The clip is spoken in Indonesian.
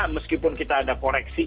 meskipun kita ada koreksi